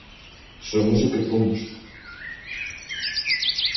Somos o que fomos.